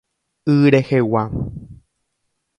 Y rehegua.